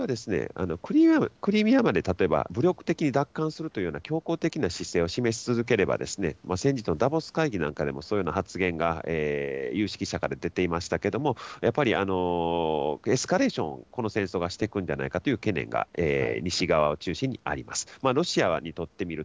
これは、クリミアまで例えば武力的奪還するというような強硬的な姿勢を示し続ければ、先日のダボス会議なんかでも、そういうような発言が有識者から出ていましたけれども、やっぱりエスカレーション、この戦争はしていくんじゃないかという懸念が、西側を中心にあります。